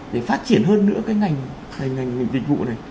để phát triển hơn nữa cái ngành dịch vụ này